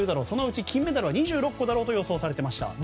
そのうち金メダルは２６個だろうと予想されていました。